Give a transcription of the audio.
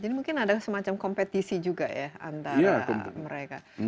jadi mungkin ada semacam kompetisi juga ya antara mereka